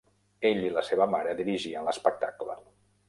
Ell i la seva mare dirigien l'espectacle.